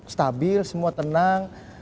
stabil semua tenang